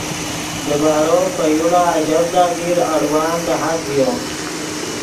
دیبارو پے یوڑا آژڤدا دیر اڑوان دہات ڤیو